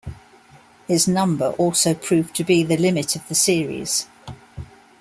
His number also proved to be the limit of the series.